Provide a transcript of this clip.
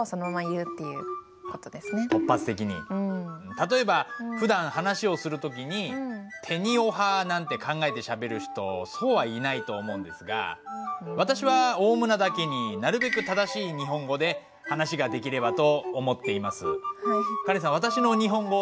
例えばふだん話をする時に「てにをは」なんて考えてしゃべる人そうはいないと思うんですが私はオウムなだけになるべく正しい日本語で話ができればと思っています。